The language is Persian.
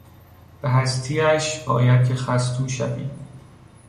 به هستیش باید که خستو شوی